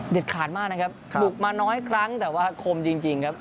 ขาดมากนะครับบุกมาน้อยครั้งแต่ว่าคมจริงครับ